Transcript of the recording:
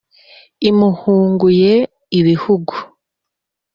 Imuhunguye ibihugu,